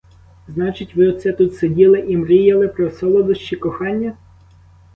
Значить, ви оце тут сиділи і мріяли про солодощі кохання?